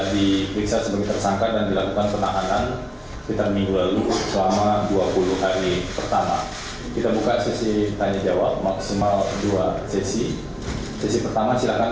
demikian yang saya sampaikan